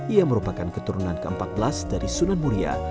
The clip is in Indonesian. ia merupakan keturunan ke empat belas dari sunan muria